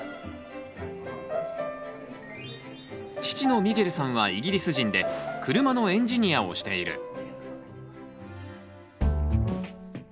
父のミゲルさんはイギリス人で車のエンジニアをしている。